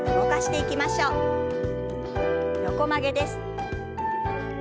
横曲げです。